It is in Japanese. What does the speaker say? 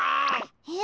えっ？